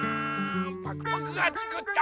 パクパクがつくった